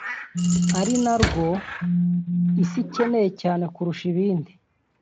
ari narwo Isi ikeneye cyane kurusha ibindi